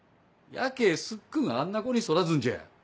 やけぇスッくんあんな子に育つんちゃ。